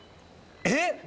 えっ？